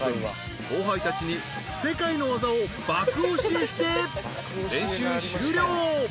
後輩たちに世界の技を爆教えして練習終了］